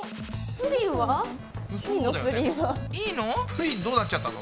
プリンどうなっちゃったの？